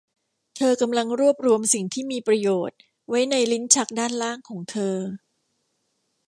เธอกำลังรวบรวมสิ่งที่มีประโยชน์ไว้ในลิ้นชักด้านล่างของเธอ